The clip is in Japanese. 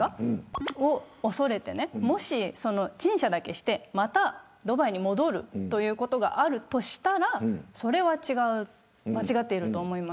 それを恐れて陳謝だけしてドバイに戻ることがあるとしたらそれは違うし間違っていると思う。